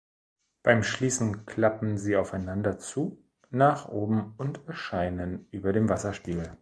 Beim Schließen klappen sie aufeinander zu nach oben und erscheinen über dem Wasserspiegel.